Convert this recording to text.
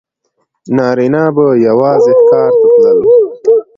نارینه به یوازې ښکار ته تلل.